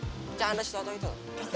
bercanda si tok tok itu